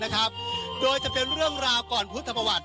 มันอาจจะเป็นแก๊สธรรมชาติค่ะ